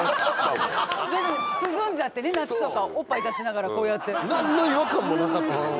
もん涼んじゃってね夏とかおっぱい出しながらこうやって何の違和感もなかったです